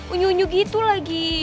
unyu unyu gitu lagi